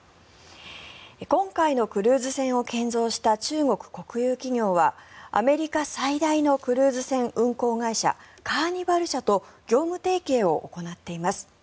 今回のクルーズ船を建造した中国国有企業はアメリカ最大のクルーズ船運航会社カーニバル社と業務提携を行っています。